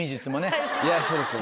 いやそうですね。